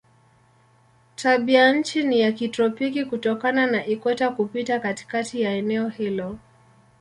Tabianchi ni ya kitropiki kutokana na ikweta kupita katikati ya eneo hilo.